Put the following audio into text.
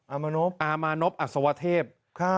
อามานพอามานพอัสวเทพครับ